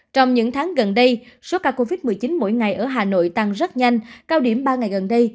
trong những tháng gần đây số ca covid một mươi chín mỗi ngày ở hà nội tăng rất nhanh cao điểm ba ngày gần đây